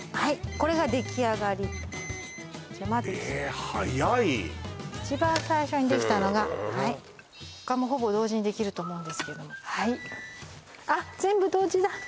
これができあがりじゃまずえーはやい一番最初にできたのがはい他もほぼ同時にできると思うんですけどもはいあっ全部同時だ